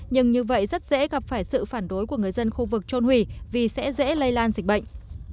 nhưng như vậy rất dễ gặp phải sự phản đối của người dân khu vực trôn hủy vì sẽ dễ lây lan dịch bệnh